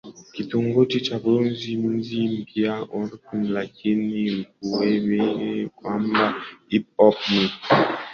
kitongoji cha Bronx mjini Mpya York Lakini ikumbukwe kwamba hip hop ni